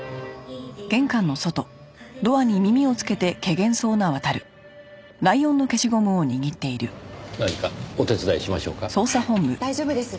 あっ大丈夫です。